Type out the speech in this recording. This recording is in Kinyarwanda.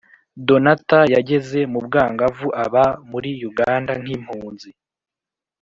donatha yageze mu bwangavu aba muri uganda nk’impunzi